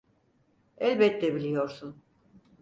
Elbette biliyorsun.